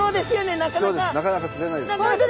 なかなか釣れないですね。